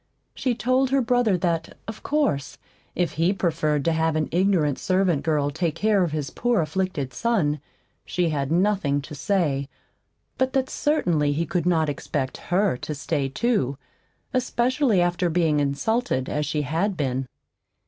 She told her brother that, of course, if he preferred to have an ignorant servant girl take care of his poor afflicted son, she had nothing to say; but that certainly he could not expect HER to stay, too, especially after being insulted as she had been.